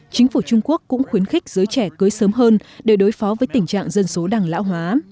chính phủ trung quốc cũng khuyến khích giới trẻ cưới sớm hơn để đối phó với tình trạng dân số đang lão hóa